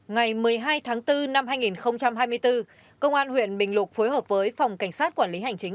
ngày một mươi hai tháng bốn năm hai nghìn hai mươi bốn công an huyện bình lục phối hợp với phòng cảnh sát quản lý hành chính